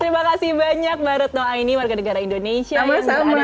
terima kasih banyak mbak retno aini warga negara indonesia yang berada di norwegia